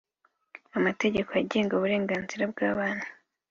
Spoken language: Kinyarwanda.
Amategeko agenga uburenganzira bwabana